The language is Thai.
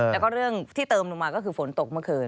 แล้วก็เรื่องที่เติมลงมาก็คือฝนตกเมื่อคืน